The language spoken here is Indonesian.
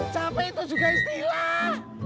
capek itu juga istilah